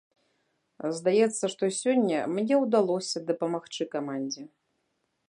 Здаецца, што сёння мне ўдалося дапамагчы камандзе.